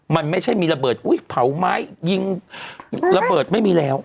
มันไม่ใช่มีระเบิดอุ้ยเผาไม้ยิงระเบิดไม่มีแล้ว